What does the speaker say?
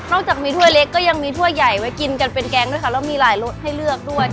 จากมีถ้วยเล็กก็ยังมีถ้วยใหญ่ไว้กินกันเป็นแก๊งด้วยค่ะแล้วมีหลายรสให้เลือกด้วย